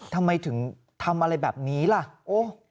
ทำไมถึงทำอะไรแบบนี้ล่ะโอ๊ยคุณคิงค่ะ